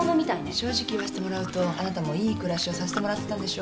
正直言わせてもらうとあなたもいい暮らしをさせてもらってたんでしょ？